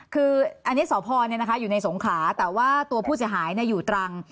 คืออันนี้สพอยู่ในสงขาแต่ว่าตัวผู้เสียหายอยู่ตรัง